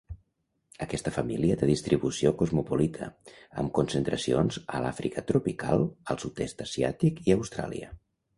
Aquesta família té distribució cosmopolita, amb concentracions a l'Àfrica tropical, al sud-est asiàtic i Austràlia.